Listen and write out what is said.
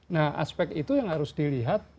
nah aspek itu yang harus dilihat